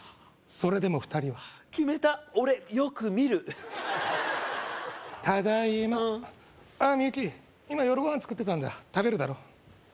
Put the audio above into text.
それでも２人は決めた俺よく見るただいまああミユキ今夜ご飯作ってたんだ食べるだろ？